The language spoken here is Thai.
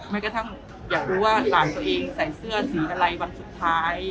ไม่กระทั่งอยากรู้ว่าหลานตัวเองใส่เสื้อสีอะไรวันสุดท้าย